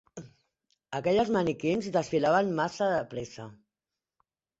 Aquelles maniquins desfilaven massa de pressa.